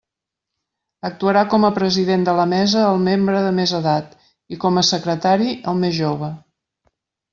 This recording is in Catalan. Actuarà com a president de la mesa el membre de més edat, i com a secretari, el més jove.